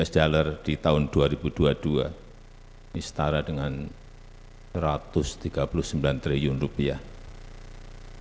jokowi mengungkap indikasi penanganan tppu melalui aset kripto ini sebesar rp satu ratus tiga puluh sembilan triliun